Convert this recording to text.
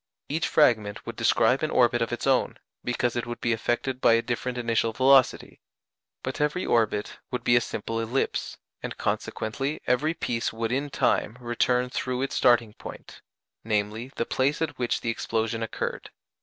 Each fragment would describe an orbit of its own, because it would be affected by a different initial velocity; but every orbit would be a simple ellipse, and consequently every piece would in time return through its starting point viz. the place at which the explosion occurred.